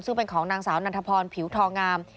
ซึ่งเป็นของนางสาวนันทพรผิวทองงาม